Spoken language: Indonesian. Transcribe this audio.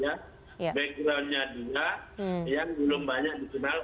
nah sekarang ini dia mencari kesempatan yang bagus untuk menunjukkan bahwa dia instant role